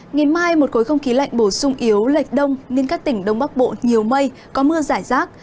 ngày mai một khối không khí lạnh bổ sung yếu lệch đông nên các tỉnh đông bắc bộ nhiều mây có mưa giải rác